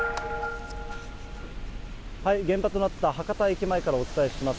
現場となった博多駅前からお伝えします。